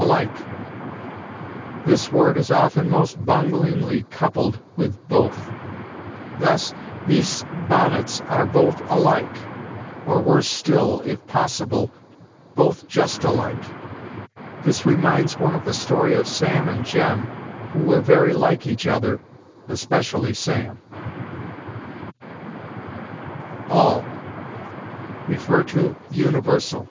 ALIKE. This word is often most bunglingly coupled with both. Thus, "These bonnets are both alike," or, worse still, if possible, "both just alike." This reminds one of the story of Sam and Jem, who were very like each other, especially Sam. ALL. See UNIVERSAL.